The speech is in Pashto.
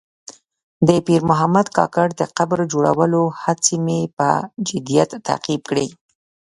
د پیر محمد کاکړ د قبر جوړولو هڅې مې په جدیت تعقیب کړې.